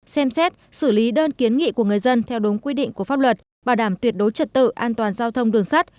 xem xét xử lý đơn kiến nghị của người dân theo đúng quy định của pháp luật bảo đảm tuyệt đối trật tự an toàn giao thông đường sắt